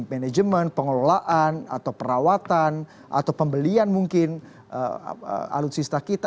manajemen pengelolaan atau perawatan atau pembelian mungkin alutsista kita